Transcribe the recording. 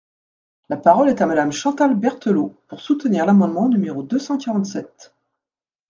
La parole est à Madame Chantal Berthelot, pour soutenir l’amendement numéro deux cent quarante-sept.